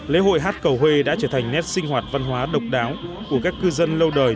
lễ hội hát cầu huê đã trở thành nét sinh hoạt văn hóa độc đáo của các cư dân lâu đời